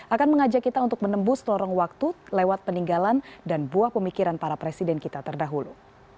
akan mengajak kita untuk menembus lorong waktu lewat peninggalan dan buah pemikiran para presiden kita terdahulu